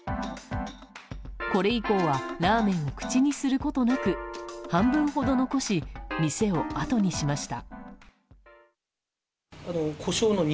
これ以降はラーメンを口にすることなく半分ほど残し店をあとにしました。